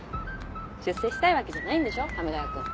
出世したいわけじゃないんでしょ亀ヶ谷くん。